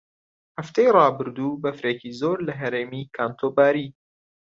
هەفتەی ڕابردوو بەفرێکی زۆر لە هەرێمی کانتۆ باری.